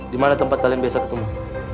dimana tempat kalian biasa ketemu